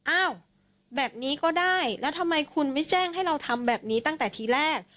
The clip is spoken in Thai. อ้าวแบบนี้ก็ได้แล้วทำไมคุณไม่แจ้งให้เราทำแบบนี้ตั้งแต่ทีแรก